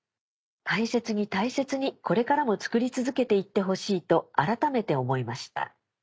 大切に大切にこれからも作り続けて行ってほしいと改めて思いました。